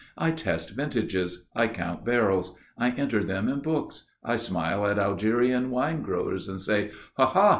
I test vintages. I count barrels. I enter them in books. I smile at Algerian wine growers and say, 'Ha! ha!